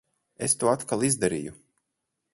Es to atkal izdarīju.